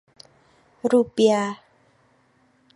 รูเปียห์